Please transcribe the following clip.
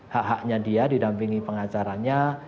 hak haknya dia didampingi pengacaranya